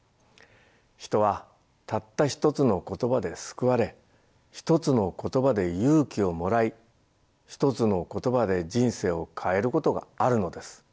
人はたった一つの言葉で救われ一つの言葉で勇気をもらい一つの言葉で人生を変えることがあるのです。